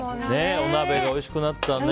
お鍋がおいしくなったね